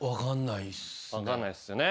分かんないですよね。